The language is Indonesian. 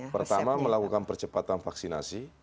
pertama melakukan percepatan vaksinasi